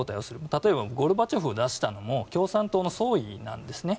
例えばゴルバチョフを出したのも共産党の総意なんですね。